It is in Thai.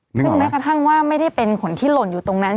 ซึ่งแม้กระทั่งว่าไม่ได้เป็นคนที่หล่นอยู่ตรงนั้น